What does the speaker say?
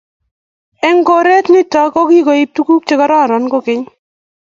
eng korot nitok kigoib tuguk chegororon kogeny